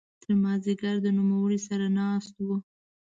تر ماذیګره د نوموړي سره ناست وو.